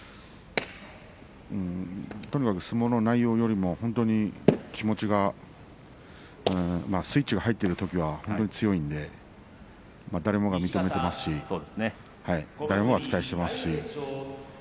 とにかく相撲の内容よりも本当に気持ちがスイッチが入っているときは本当に強いんで誰もが認めていますし誰もが期待していますし。